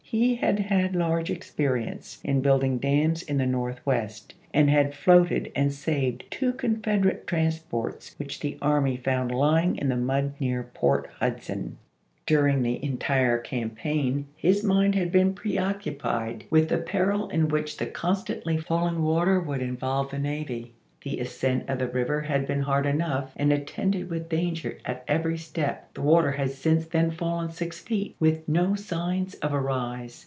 He had had large experience in building dams in the Northwest, and had floated and saved two Confederate transports which the army found lying in the mud near Port Hudson. During the entire campaign his mind had been preoccupied OLUSTEE AND THE EED RIVER 299 with the peril in which the constantly falling water chap.xi. would involve the navy. The ascent of the river had been hard enough and attended with danger at every step ; the water had since then fallen six feet, with no signs of a rise.